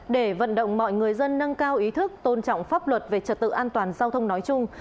để vận động mọi người dân nâng cao ý thức tôn trọng pháp luật về trật tự an toàn giao thông nói chung